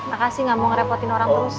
makasih gak mau ngerepotin orang terus